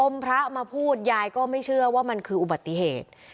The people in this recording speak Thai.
พระมาพูดยายก็ไม่เชื่อว่ามันคืออุบัติเหตุ